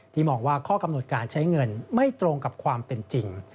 มองว่าข้อกำหนดการใช้เงินไม่ตรงกับความเป็นจริง